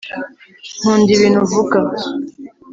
nkunda ibintu uvuga